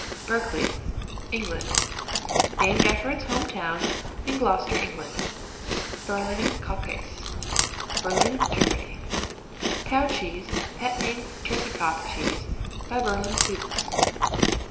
Berkeley England Named after its home town in Gloucester, England. Berliner Kuhkäse Berlin, Germany Cow cheese, pet named turkey cock cheese by Berlin students.